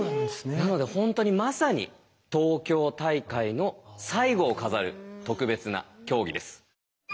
なので本当にまさに東京大会の最後を飾る特別な競技です。